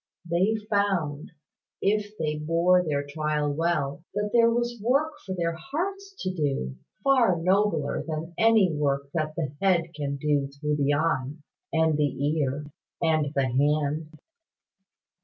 They found, if they bore their trial well, that there was work for their hearts to do, far nobler than any work that the head can do through the eye, and the ear, and the hand.